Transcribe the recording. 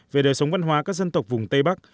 về đời sống văn hóa các dân tộc vùng tây bắc